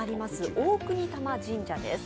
大國魂神社です。